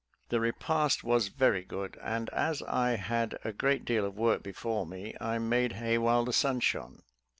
The repast was very good; and as I had a great deal of work before me, I made hay while the sun shone.